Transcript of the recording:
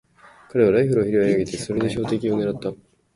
彼はライフルを拾い上げ、それで標的をねらった。